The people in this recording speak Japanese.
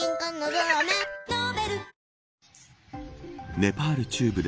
ネパール中部で